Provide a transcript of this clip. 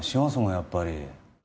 やっぱり